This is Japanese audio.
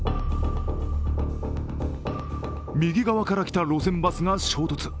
右側から来た路線バスが衝突。